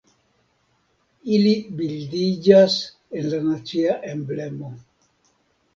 Ili bildiĝas en la nacia emblemo.